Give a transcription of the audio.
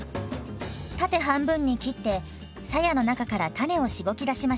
縦半分に切ってさやの中から種をしごき出しましょう。